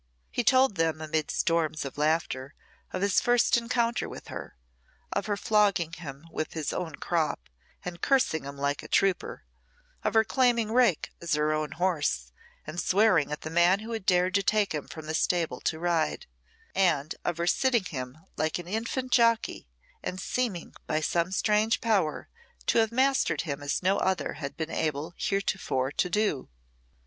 He told them, amid storms of laughter, of his first encounter with her; of her flogging him with his own crop, and cursing him like a trooper; of her claiming Rake as her own horse, and swearing at the man who had dared to take him from the stable to ride; and of her sitting him like an infant jockey, and seeming, by some strange power, to have mastered him as no other had been able heretofore to do.